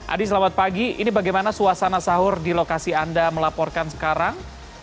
adi selamat pagi ini bagaimana suasana sahur di lokasi anda melaporkan sekarang